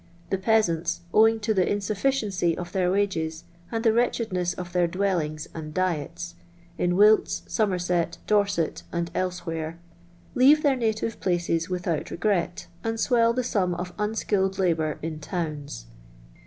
The peasants, owing to the insuflficicncy of thi*ir wages, and the wretchedness of their dwellings and diet, in Wilts, Somerset, Dorset, and else where, leave their native places without regret, and swell the sum of unskilled labour in towns.